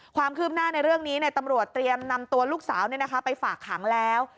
ความคืบหน้าในเรื่องนี้ตำรวจเตรียมนำตัวลูกสาวไปฝากขังแล้ว